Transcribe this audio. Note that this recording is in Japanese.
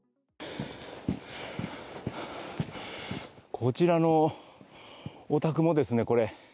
こちらのお宅もですね